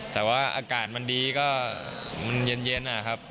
แต่ว่าอากาศมันดีก็มันเย็นนะครับ